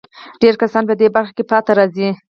ډېر کسان په دې برخه کې پاتې راځي.